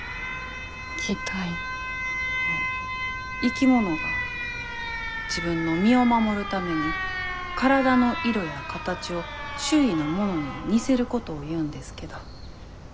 生き物が自分の身を守るために体の色や形を周囲のものに似せることを言うんですけど。